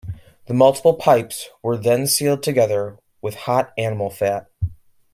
The multiple pipes were then sealed together with hot animal fat.